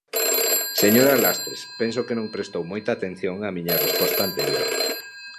Señora Lastres, penso que non prestou moita atención á miña resposta anterior.